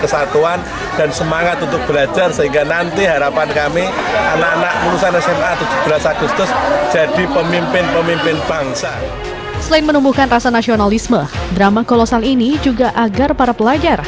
selain menumbuhkan rasa nasionalisme drama kolosal ini juga agar para pelajar